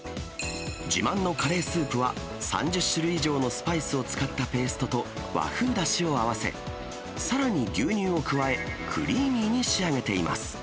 自慢のカレースープは、３０種類以上のスパイスを使ったペーストと和風だしを合わせ、さらに牛乳を加え、クリーミーに仕上げています。